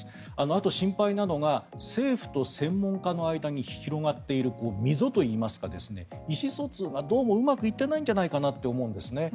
あと、心配なのが政府と専門家の間に広がっている溝といいますか意思疎通がどうもうまくいってないんじゃないかなと思うんですね。